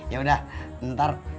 ya udah bentar